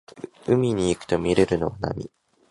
海に行くとみれるのは波